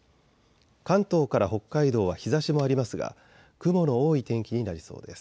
関東から北海道は日ざしもありますが雲の多い天気になりそうです。